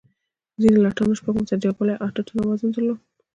ځینو لټانو شپږ متره جګوالی او اته ټنه وزن درلود.